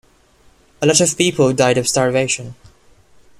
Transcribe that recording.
A lot of people died of starvation.